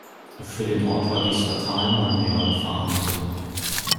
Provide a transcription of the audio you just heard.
Für den Ort war dies fatal, Monreal verarmte.